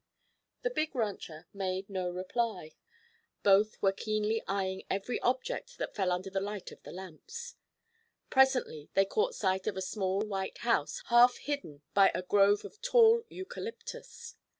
The big rancher made no reply. Both were keenly eyeing every object that fell under the light of the lamps. Presently they caught sight of a small white house half hidden by a grove of tall eucalyptus.